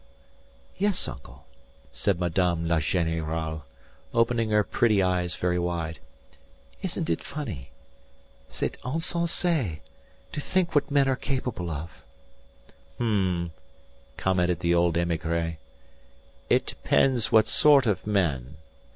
"Yes, uncle," said Madame la Générale, opening her pretty eyes very wide. "Isn't it funny? C'est insensé to think what men are capable of." "H'm," commented the old émigré. "It depends what sort of men.